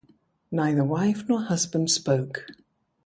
Neither wife nor husband spoke.